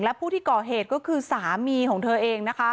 และผู้ที่ก่อเหตุก็คือสามีของเธอเองนะคะ